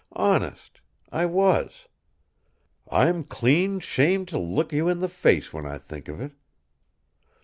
Honest, I was. I'm clean 'shamed to look you in the face when I think of it.